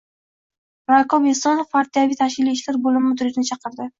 Raykom Esonov partiyaviy-tashkiliy ishlar bo‘lim mudirini chaqirdi.